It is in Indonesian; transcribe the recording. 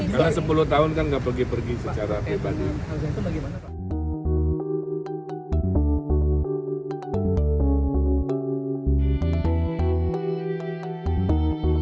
karena sepuluh tahun kan nggak pergi pergi secara pribadi